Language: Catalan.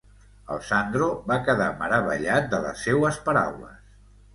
El Sandro va quedar meravellat de les seues paraules.